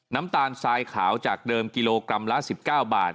น้ำตาลทรายขาวจากเดิมกิโลกรัมละ๑๙บาท